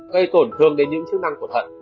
gây tổn thương đến những chức năng của thận